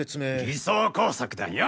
偽装工作だよ！